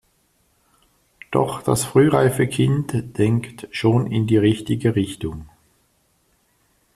Doch das frühreife Kind denkt schon in die richtige Richtung.